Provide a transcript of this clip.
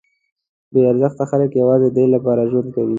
بې ارزښته خلک یوازې ددې لپاره ژوند کوي.